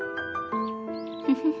フフフ。